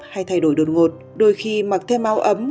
hay thay đổi đột ngột đôi khi mặc thêm áo ấm